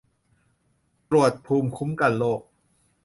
ตรวจภูมิคุ้มกันโรค